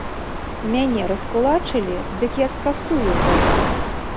Мяне раскулачылі, дык я скасую гэта!